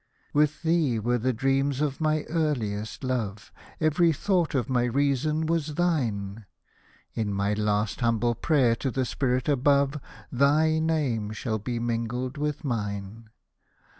' With thee were the dreams of my earliest love ; Every thought of my reason was thine ; In my last humble prayer to the Spirit above Thy name shall be mingled with mine.